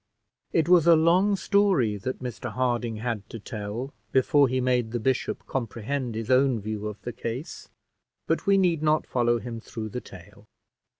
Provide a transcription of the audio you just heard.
It was a long story that Mr Harding had to tell before he made the bishop comprehend his own view of the case; but we need not follow him through the tale.